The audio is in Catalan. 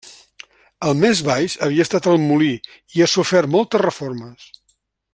El més baix havia estat el molí i ha sofert moltes reformes.